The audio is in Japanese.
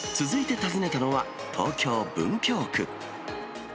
続いて訪ねたのは、東京・文京区。